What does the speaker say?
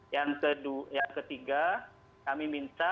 yang ketiga kami minta